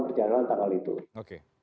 perjalanan tanggal itu oke